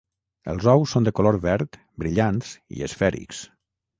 Els ous són de color verd, brillants i esfèrics.